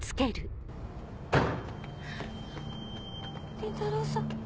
倫太郎さん。